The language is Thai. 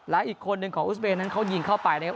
และอีกคนหนึ่งของอุสเบย์นั้นเขายิงเข้าไปนะครับ